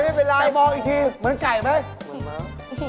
แต่มองอีกทีเหมือนไก่ไหม